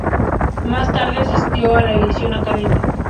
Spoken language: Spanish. Más tarde asistió a la Edison Academy.